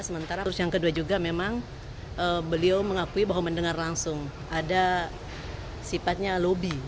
sementara terus yang kedua juga memang beliau mengakui bahwa mendengar langsung ada sifatnya lobby